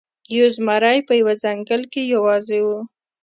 یو زمری په یوه ځنګل کې یوازې و.